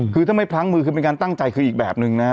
คือถ้าไม่พลั้งมือคือเป็นการตั้งใจคืออีกแบบนึงนะฮะ